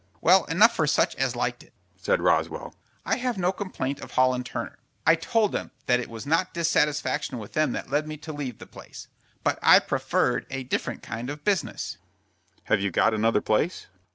"Well enough for such as liked it," said Roswell. "I have no complaint of Hall & Turner. I told them that it was not dissatisfaction with them that led me to leave the place, but I preferred a different kind of business." "Have you got another place?"